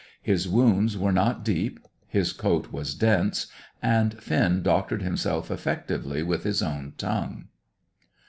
His wounds were not deep, his coat was dense, and Finn doctored himself effectively with his own tongue.